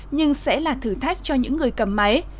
nhưng sẽ là thử thách cho những người cầm máy